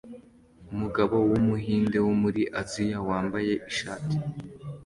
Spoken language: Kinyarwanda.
Umugabo wumuhinde wo muri Aziya wambaye ishati